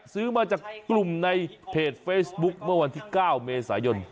ซื้อมาจากกลุ่มในเพจเฟซบุ๊คเมื่อวันที่๙เมษายน